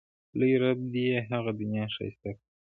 لوی رب دې یې هغه دنیا ښایسته کړي.